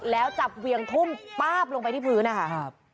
แล้วจับเวียงทุ่มป๊าบลงไปที่พื้นนะคะ